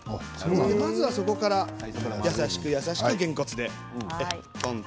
まずは、そこから優しく優しくげんこつで。